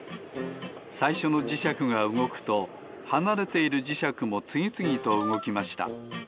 さいしょのじしゃくがうごくとはなれているじしゃくもつぎつぎとうごきました。